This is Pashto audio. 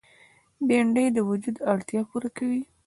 بېنډۍ د وجود اړتیا پوره کوي